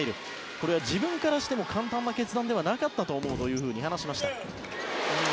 これは自分からしても簡単な決断ではなかったと思うと話しました。